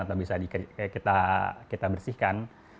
atau bisa kita bersihkan